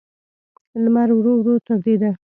لمر ورو ورو تودېده.